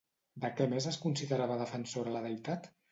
De què més es considerava defensora la deïtat?